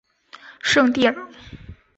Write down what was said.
圣蒂尔。